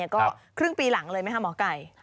ก็ครึ่งปีหลังเลยไหมคะหมอไก่